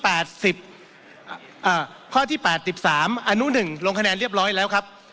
อ่าข้อที่๘๓อนุ๑ลงคะแนนเรียบร้อยแล้วครับ